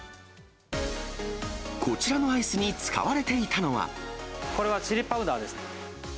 こちらのアイスに使われていこれはチリパウダーですね。